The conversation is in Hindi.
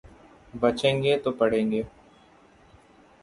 बचेंगे तो पढ़ेंगे।